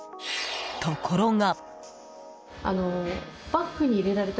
ところが。